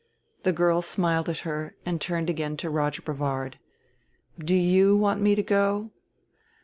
The girl smiled at her and turned again to Roger Brevard. "Do you want me to go?"